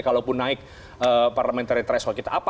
kalaupun naik parliamentary threshold kita apa